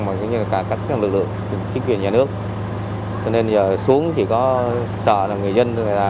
mà cũng như là cả các lực lượng chính quyền nhà nước cho nên giờ xuống chỉ có sợ là người dân